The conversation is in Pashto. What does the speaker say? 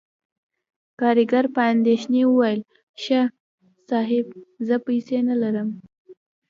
کارګر په اندیښنې وویل: "ښه، صاحب، زه پیسې نلرم..."